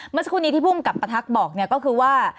เมื่อสักครู่นี้ที่ภูมิกับประทักษ์บอกก็คือว่า